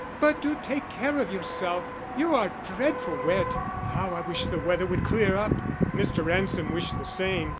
"But do take care of yourself. You are dreadful wet. How I wish the weather would clear up!" Mr. Ransom wished the same.